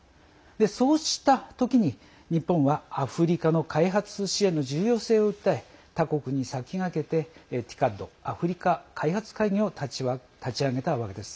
そうした時に日本はアフリカの開発支援の重要性を訴え他国に先駆けてＴＩＣＡＤ＝アフリカ開発会議を立ち上げたわけです。